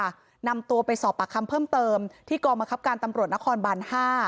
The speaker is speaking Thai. นำตัวไปสอบปากคำเพิ่มเติมที่กองบังคับการตำรวจนครบาน๕